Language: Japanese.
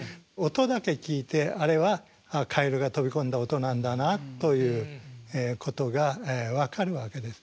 音だけ聞いてあれは蛙が飛び込んだ音なんだなということが分かるわけです。